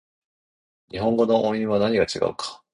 日本語の音韻は何が違うか